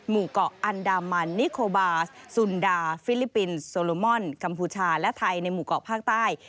หมู่เกาะอันดามันนิโคบาสสุนดาฟิลิปปินส์โซโลมอนกัมพูชาและไทยในหมู่เกาะภาคใต้